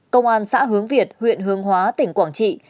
công an xã hướng việt huyện hương hóa tỉnh quảng trị